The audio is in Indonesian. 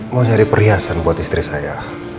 mau nyari perhiasan buat istri saya